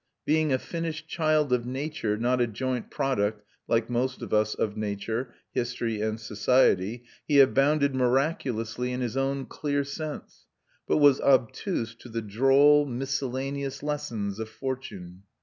Being a finished child of nature, not a joint product, like most of us, of nature, history, and society, he abounded miraculously in his own clear sense, but was obtuse to the droll, miscellaneous lessons of fortune.